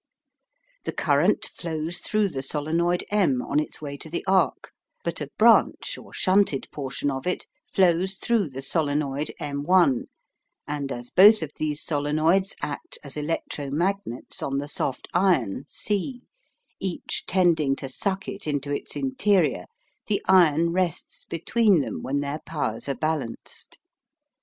The current flows through the solenoid M on its way to the arc, but a branch or shunted portion of it flows through the solenoid M', and as both of these solenoids act as electromagnets on the soft iron C, each tending to suck it into its interior, the iron rests between them when their powers are balanced.